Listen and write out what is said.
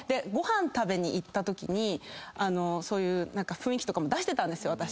ご飯食べに行ったときにそういう雰囲気とかも出してたんですよ。